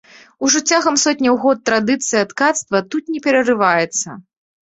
Ужо цягам сотняў год традыцыя ткацтва тут не перарываецца.